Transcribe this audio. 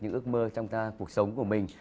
những ước mơ trong cuộc sống của mình